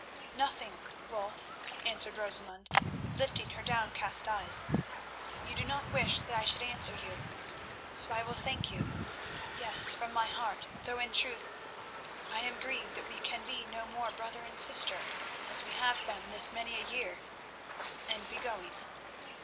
"Nothing, Wulf," answered Rosamund, lifting her downcast eyes. "You do not wish that I should answer you, so I will thank you—yes, from my heart, though, in truth, I am grieved that we can be no more brother and sister, as we have been this many a year—and be going."